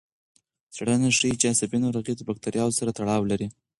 څېړنه ښيي چې عصبي ناروغۍ د بکتریاوو سره تړاو لري.